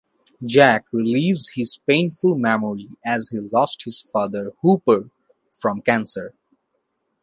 Jack relieves his painful memory as he lost his father Hooper from cancer.